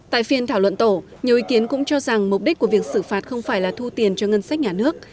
tại phiên thảo luận tổ nhiều ý kiến cũng cho rằng mục đích của việc xử phạt không phải là thu tiền cho ngân sách nhà nước